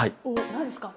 何ですか？